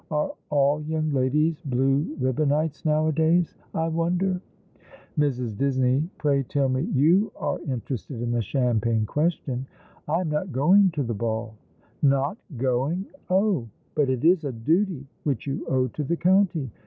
Are all young ladies blue ribbonites nowadays, I wonder ? Mrs. Disney, pray tell me you are interested in the champagne question." " I am not going to the ball. "Not going ! Oh, but it is a duty which you owe to the county!